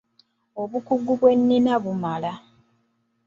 Obukugu bwe nnina bummala.